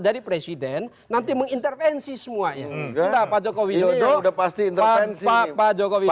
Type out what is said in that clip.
jadi presiden nanti mengintervensi semuanya enggak pak joko widodo pasti interaksi pak joko widodo